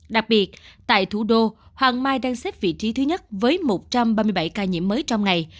đặc biệt tại thủ đô hoàng mai đang xếp vị trí thứ nhất với một trăm ba mươi bảy ca nhiễm mới trong ngày